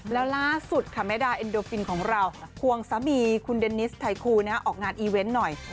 แล้วล่าสุดค่ะแม่ดาเอ็นโดฟินของเราควงสามีคุณเดนนิสไทคูออกงานอีเวนต์หน่อย